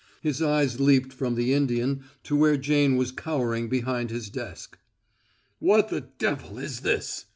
His eyes leaped from the Indian to where Jane was cowering behind his desk. "What the devil is this?"